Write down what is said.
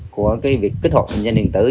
của việc kích hoạt định danh điện tử